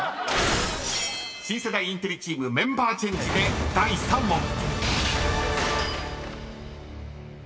［新世代インテリチームメンバーチェンジで第３問］